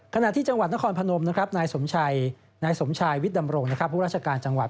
ขณะที่จังหวัดนครพนมนายสมชายวิทย์ดำโรงพวกราชการจังหวัด